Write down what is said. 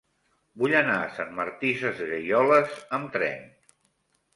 Vull anar a Sant Martí Sesgueioles amb tren.